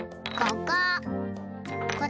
ここ。